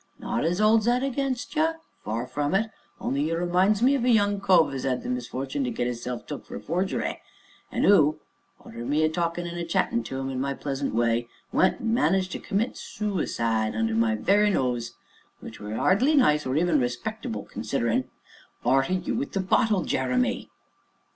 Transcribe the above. Not as I 'olds that again' you far from it, only you reminds me of a young cove as 'ad the misfort'n to get 'isself took for forgery, and who arter me a talkin' and a chattin' to 'im in my pleasant way went and managed to commit sooicide under my very nose which were 'ardly nice, or even respectable, considerin' (arter you wi' the bottle, Jeremy!)"